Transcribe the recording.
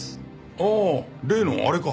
ああ例のあれか。